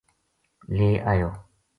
لے آیو